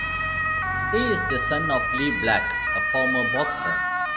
He is the son of Lee Black, a former boxer.